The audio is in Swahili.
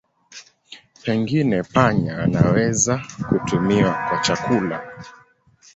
Pengine panya wanaweza kutumiwa kwa chakula.